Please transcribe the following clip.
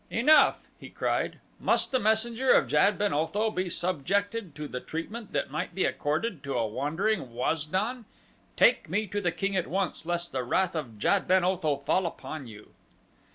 "Enough!" he cried. "Must the messenger of Jad ben Otho be subjected to the treatment that might be accorded to a wandering Waz don? Take me to the king at once lest the wrath of Jad ben Otho fall upon you."